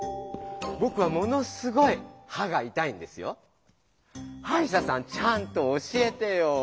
ぼくはものすごいはがいたいんですよ。はいしゃさんちゃんと教えてよ！